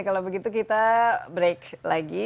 kalau begitu kita break lagi